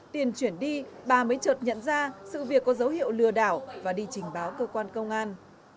tiền chuyển đi bà mới trợt nhận ra sự việc có dấu hiệu lừa đảo và đi trình báo cơ quan công an